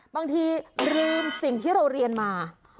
บางทีลืมสิ่งที่เราเรียนมา